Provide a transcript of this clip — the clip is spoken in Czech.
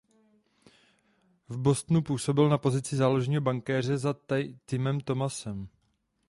V Bostonu působil na pozici záložního brankáře za Timem Thomasem.